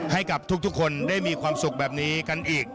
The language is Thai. ให้กับทุกคนได้มีความสุขแบบนี้กันอีก